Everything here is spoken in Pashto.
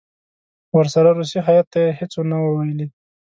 ورسره روسي هیات ته یې هېڅ نه وو ویلي.